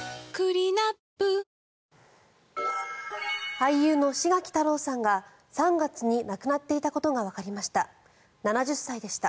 俳優の志垣太郎さんが３月に亡くなっていたことがわかりました。